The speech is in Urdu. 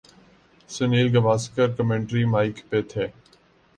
سنیل گواسکر کمنٹری مائیک پہ تھے۔